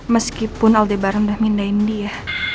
meskipun aldebaran udah mindahin dia